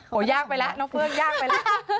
โอ้โหยากไปแล้วน้องเฟืองยากไปแล้ว